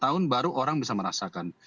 jadi ini adalah hal yang orang bisa merasakan